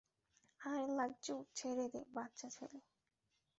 আরে লাজ্জু, ছেড়ে দে, বাচ্চা ছেলে।